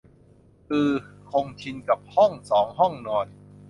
อือ คงชินกับห้องสองห้องนอน